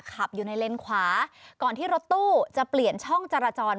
ขับอยู่ในเลนขวาก่อนที่รถตู้จะเปลี่ยนช่องจราจร